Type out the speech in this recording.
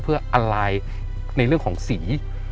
เพื่ออัลลายในเรื่องของสี